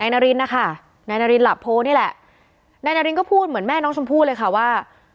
นารินนะคะนายนารินหลับโพนี่แหละนายนารินก็พูดเหมือนแม่น้องชมพู่เลยค่ะว่า